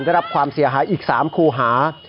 ได้รับความเสียหายอีก๓คูหา